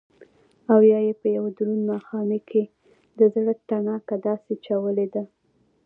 او يا يې په يو دروند ماښامي کښې دزړه تڼاکه داسې چولې ده